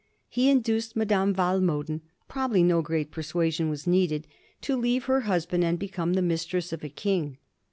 He in duced Madame Walmoden — ^probably no great persuasion was needed — ^to leave her husband and become the mis tress of a king.